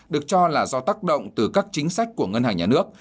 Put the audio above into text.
được cho là do tác động từ các chính sách của ngân hàng nhà nước